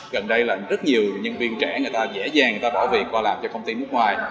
gần đây là rất nhiều nhân viên trẻ người ta dễ dàng người ta bảo việc qua làm cho công ty nước ngoài